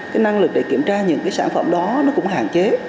cái năng lực để kiểm tra những cái sản phẩm đó nó cũng hạn chế